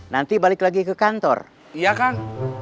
hari ini nggak ada pengiriman